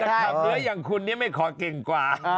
ถ้าขับรถอย่างคุณนี่ไม่ขอเก่งกว่า